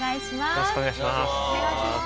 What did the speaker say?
よろしくお願いします。